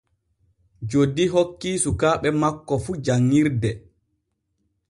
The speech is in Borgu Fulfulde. Joddi hokkii sukaaɓe makko fu janŋirde.